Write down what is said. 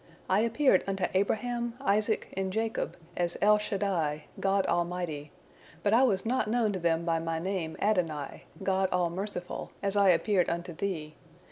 I appeared unto Abraham, Isaac, and Jacob, as El Shaddai, God Almighty, but I was not known to them by My name Adonai, God All Merciful, as I appeared unto thee.